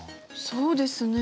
そうですね。